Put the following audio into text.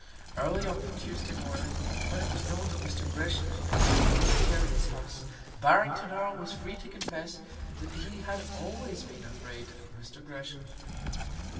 Early on the Tuesday morning, when it was known that Mr. Gresham had been at Lord de Terrier's house, Barrington Erle was free to confess that he had always been afraid of Mr. Gresham.